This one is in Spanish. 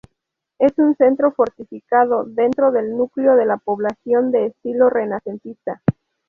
Es un centro fortificado dentro del núcleo de la población de estilo renacentista.